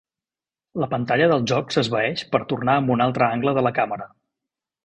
La pantalla del joc s'esvaneix per tornar amb un altre angle de la càmera.